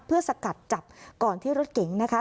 เพื่อสกัดจับก่อนที่รถเก๋งนะคะ